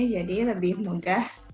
jadi lebih mudah